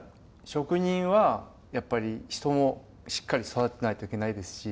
職人はやっぱり人もしっかり育てないといけないですし。